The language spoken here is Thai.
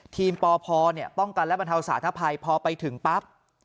ทีมปพเนี่ยป้องกันและบรรเทาสาธารณภัยพอไปถึงปั๊บ